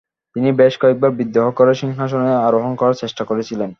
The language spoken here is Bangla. তিনি বেশ কয়েকবার বিদ্রোহ করে সিংহাসনে আরোহণ করার চেষ্টা করেছিলেন।